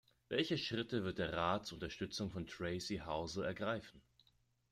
Welche Schritte wird der Rat zur Unterstützung von Tracey Housel ergreifen?